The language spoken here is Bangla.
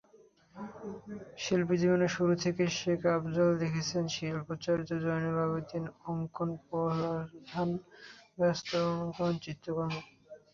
শিল্পীজীবনের শুরু থেকে শেখ আফজাল দেখেছেন শিল্পাচার্য জয়নুল আবেদিনের অঙ্কন-প্রধান বাস্তবানুগ চিত্রকর্ম।